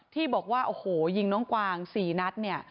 ที่บอกว่าโอ้โหยิงน้องกวาง๔นัดเนี่ย